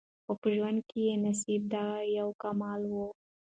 خو په ژوند کي یې نصیب دا یو کمال وو